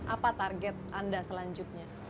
apa target anda selanjutnya